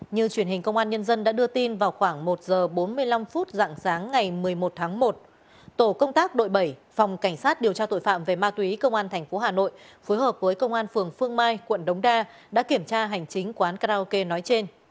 như truyền hình công an nhân dân đã đưa tin vào khoảng một h bốn mươi năm phút dạng sáng ngày một mươi một tháng một tổ công tác đội bảy phòng cảnh sát điều tra tội phạm về ma túy công an tp hà nội phối hợp với công an phường phương mai quận đống đa đã kiểm tra hành chính quán karaoke nói trên